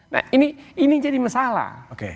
nah ini jadi masalah